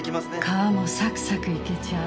皮もサクサクいけちゃう。